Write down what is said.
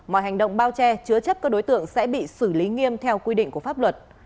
mọi hành động bao che chứa chấp các đối tượng sẽ bị xử lý nghiêm theo quy định của pháp luật